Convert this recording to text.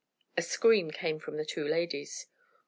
A scream came from the two ladies.